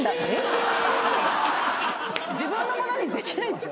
自分のものにできないでしょ。